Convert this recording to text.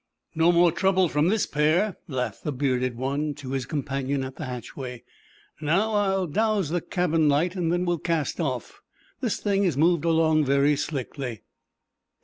"No more trouble from this pair," laughed the bearded one to his companion at the hatchway. "Now, I'll douse the cabin light, and then we'll cast off. This thing has moved along very slickly."